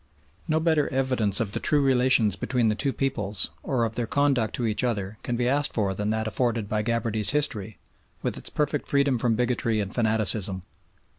No better evidence of the true relations between the two peoples or of their conduct to each other can be asked for than that afforded by Gabarty's history, with its perfect freedom from bigotry and fanaticism.